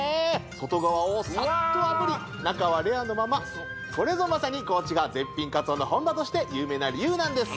外側をサッとあぶり中はレアのままこれぞまさに高知が絶品鰹の本場として有名な理由なんです